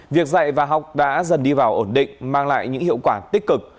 việc dạy và học đã dần đi vào ổn định mang lại những hiệu quả tích cực